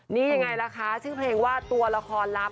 นี่ยังไงล่ะคะชื่อเพลงว่าตัวละครลับ